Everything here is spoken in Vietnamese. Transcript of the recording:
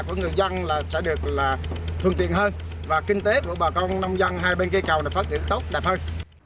của người dân sẽ được thường tiện hơn và kinh tế của bà con nông dân hai bên cây cầu phát triển tốt đẹp hơn